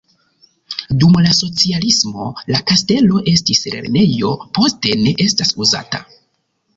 Dum la socialismo la kastelo estis lernejo, poste ne estas uzata.